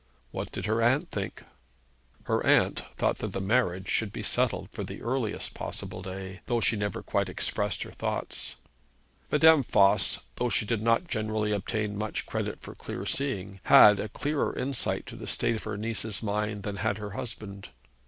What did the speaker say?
What did her aunt think? Her aunt thought that the marriage should be settled for the earliest possible day, though she never quite expressed her thoughts. Madame Voss, though she did not generally obtain much credit for clear seeing, had a clearer insight to the state of her niece's mind than had her husband.